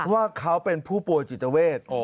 ว่าเขาเป็นผู้ป่วยจิตเวท